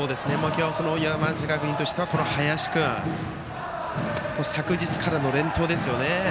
山梨学院としては林君、昨日からの連投ですよね。